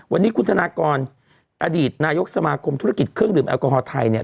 วันนี้คุณธนากรอดีตนายกสมาคมธุรกิจเครื่องดื่มแอลกอฮอลไทยเนี่ย